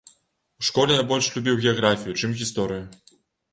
У школе я больш любіў геаграфію, чым гісторыю.